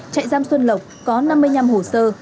trại giam xuân lộc có năm mươi năm hồ sơ